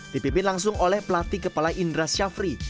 dipimpin langsung oleh pelatih kepala indra syafri